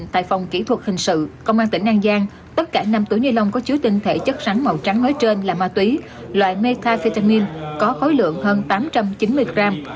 tinh thể chất rắn màu trắng ở trên là ma túy loại metafetamin có khối lượng hơn tám trăm chín mươi gram